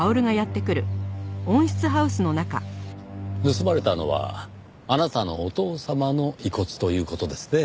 盗まれたのはあなたのお父様の遺骨という事ですね？